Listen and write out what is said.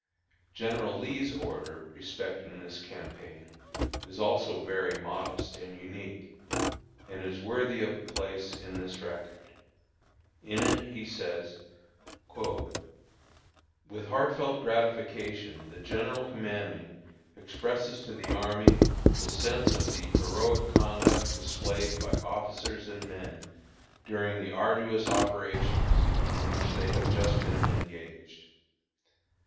General Lee's order respecting this campaign is also very modest and unique, and is worthy of a place in this record. In it he says: "With heartfelt gratification the General commanding expresses to the army his sense of the heroic conduct displayed by officers and men during the arduous operations in which they have just been engaged.